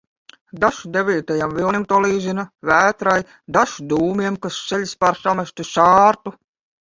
Dažs devītajam vilnim to līdzina, vētrai, dažs dūmiem, kas ceļas pār samestu sārtu.